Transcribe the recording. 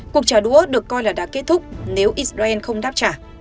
cuộc trả đũa được coi là đã kết thúc nếu israel không đáp trả